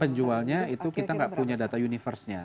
penjualnya itu kita nggak punya data universe nya